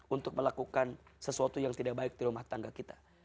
untuk melakukan sesuatu yang tidak baik di rumah tangga kita